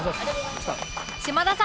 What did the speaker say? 島田さん